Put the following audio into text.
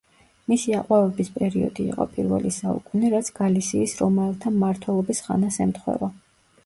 მისი აყვავების პერიოდი იყო პირველი საუკუნე, რაც გალისიის რომაელთა მმართველობის ხანას ემთხვევა.